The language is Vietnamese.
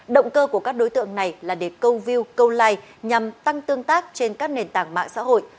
động cơ của các đối tượng này là để câu view câu like nhằm tăng tương tác trên các nền tảng mạng xã hội